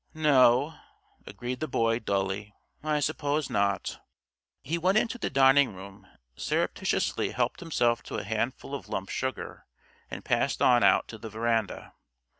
"No," agreed the Boy, dully, "I suppose not." He went into the dining room, surreptitiously helped himself to a handful of lump sugar and passed on out to the veranda.